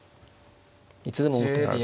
いつでも王手があるぞ。